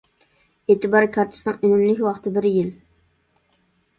ئېتىبار كارتىسىنىڭ ئۈنۈملۈك ۋاقتى بىر يىل.